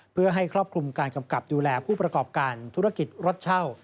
เพื่อให้ครอบคลุมการกำกับดูแลผู้ประกอบการธุรกิจรถเช่า